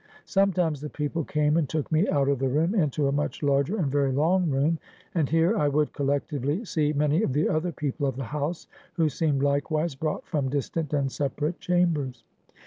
Sometimes the people came and took me out of the room, into a much larger and very long room, and here I would collectively see many of the other people of the house, who seemed likewise brought from distant and separate chambers.